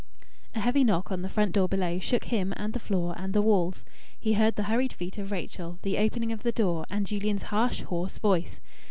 A heavy knock on the front door below shook him and the floor and the walls. He heard the hurried feet of Rachel, the opening of the door, and Julian's harsh, hoarse voice.